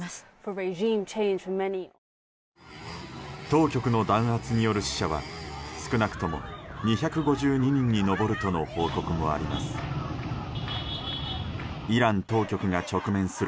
当局の弾圧による死者は少なくとも２５２人に上るとの報告もあります。